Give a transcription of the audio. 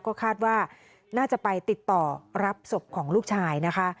ก็คาดว่าน่าจะไปติดต่อรับศพของลูกชายนะคะ